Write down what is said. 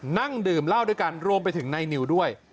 นั่งดื่มเหล้าด้วยกันรวมไปถึงในนิวด้วย